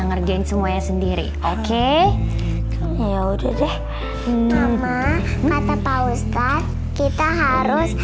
ngerjain semuanya sendiri oke yaudah deh mama kata pak ustadz kita harus